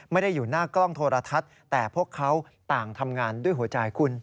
ไม่ได้อยู่หน้ากล้องโทรทัศน์แต่พวกเขาต่างทำงานด้วยหัวใจคุณ